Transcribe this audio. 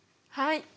はい。